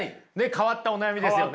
変わったお悩みですね。